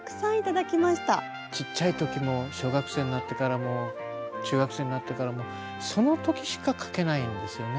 ちっちゃい時も小学生になってからも中学生になってからもその時しか描けないんですよね